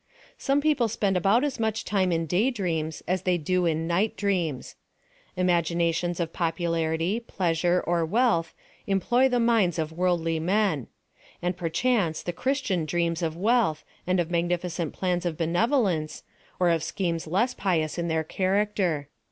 Some people spend about as much time in day dreams as they do in night dreams. Imagi nations of popularity, pleasure, or wealth, employ the minds of worldly men ; and perchance the Christian dreams of wealtli, and of magnificent plans of benevolence, or of schemes less pious in their character.